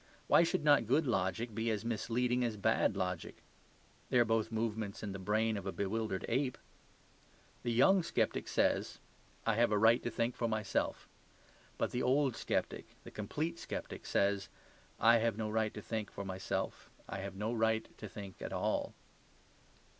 Why should not good logic be as misleading as bad logic? They are both movements in the brain of a bewildered ape?" The young sceptic says, "I have a right to think for myself." But the old sceptic, the complete sceptic, says, "I have no right to think for myself. I have no right to think at all."